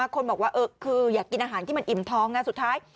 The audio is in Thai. คนบอกว่าคืออยากกินอาหารที่มันอิ่มท้องสุดท้าย